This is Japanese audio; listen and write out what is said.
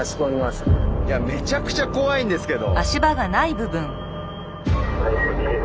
めちゃくちゃ怖いんですけど。